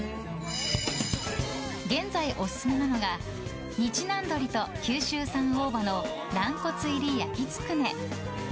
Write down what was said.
現在、オススメなのが日南鶏と九州産大葉の軟骨入り焼きつくね。